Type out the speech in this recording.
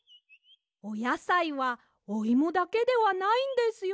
おやさいはおイモだけではないんですよ。